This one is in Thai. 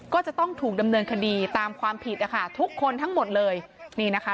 ก็จะต้องถูกดำเนินคดีตามความผิดนะคะทุกคนทั้งหมดเลยนี่นะคะ